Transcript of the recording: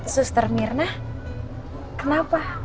suster mirna kenapa